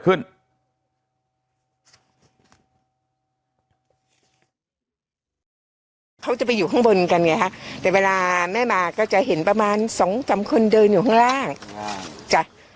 ก็จะคนน่าเดิมอายุประมาณเท่าไหร่อันนั้นน่าจะ๒๐